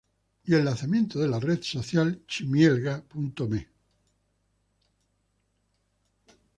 Y el lanzamiento de la red social Ximielga.me